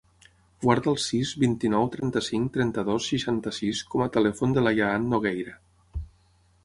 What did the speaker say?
Guarda el sis, vint-i-nou, trenta-cinc, trenta-dos, seixanta-sis com a telèfon de l'Ayaan Nogueira.